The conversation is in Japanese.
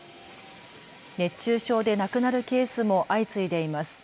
熱中症で亡くなるケースも相次いでいます。